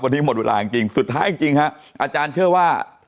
วันนี้หมดเวลาจริงสุดท้ายจริงฮะอาจารย์เชื่อว่า